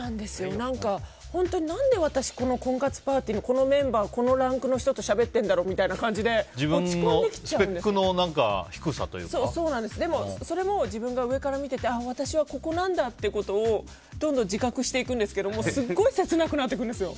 本当に何で私この婚活パーティーでこのメンバー、このランクの人としゃべってるんだろうって自分のスペックのでもそれも自分が上から見てて私はここなんだってことをどんどん自覚していくんですけどすごい切なくなってくるんですよ。